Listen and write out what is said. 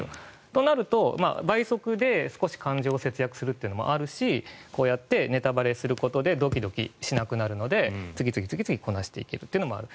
となると倍速で少し感情を節約するというのもあるしこうやって、ネタバレすることでドキドキしなくなるので次々こなしていけるというのもある。